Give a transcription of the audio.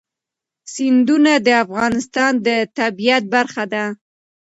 سیندونه د افغانستان د طبیعت برخه ده.